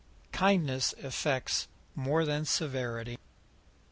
"KINDNESS EFFECTS MORE THAN SEVERITY."